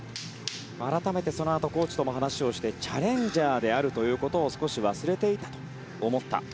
改めて、そのあとコーチとも話をしてチャレンジャーであることを少し忘れていたと思った。